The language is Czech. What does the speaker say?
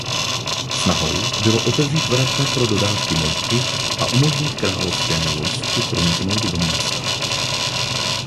Snahou bylo otevřít vrata pro dodávku mouky a umožnit královskému vojsku proniknout do města.